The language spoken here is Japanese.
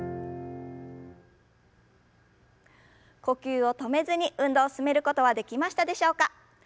呼吸を止めずに運動を進めることはできましたでしょうか？